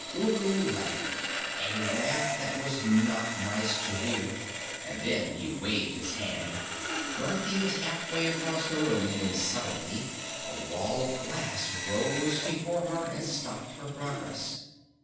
Ugu laughed, a laugh that was not nice to hear, and then he waved his hand. Dorothy was halfway across the room when suddenly a wall of glass rose before her and stopped her progress.